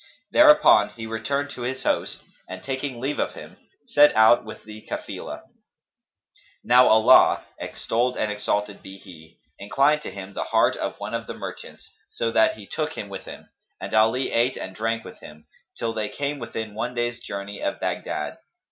Thereupon he returned to his host and taking leave of him, set out with the Cafilah. Now Allah (extolled and exalted be He!) inclined to him the heart of one of the merchants, so that he took him with him, and Ali ate and drank with him, till they came within one day's journey of Baghdad.